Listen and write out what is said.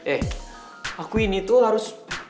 eh aku ini tuh harus